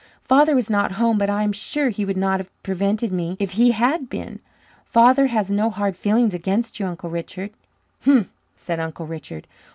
"Father was not home, but I am sure he would not have prevented me if he had been. Father has no hard feelings against you, Uncle Richard." "Humph!" said Uncle Richard.